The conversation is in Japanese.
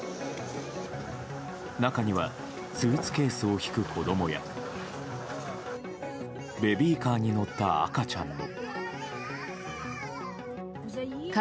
中にはスーツケースを引く子供やベビーカーに乗った赤ちゃんも。